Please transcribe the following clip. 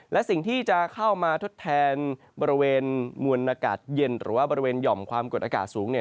และสิ่งที่จะเข้ามาทดแทนบริเวณมวลอากาศเย็นหรือว่าบริเวณหย่อมความกดอากาศสูง